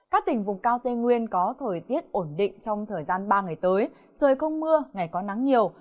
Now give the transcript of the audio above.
các tỉnh vùng cao tây nguyên có thời tiết ổn định trong thời gian ba ngày tới trời không mưa ngày có nắng nhiều